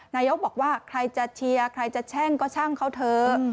นายกบอกว่าใครจะเชียร์ใครจะแช่งก็ช่างเขาเถอะ